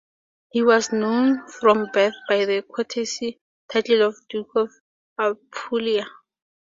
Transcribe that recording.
He was known from birth by the courtesy title of "Duke of Apulia".